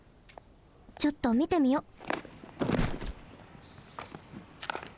ちょっとみてみよっ。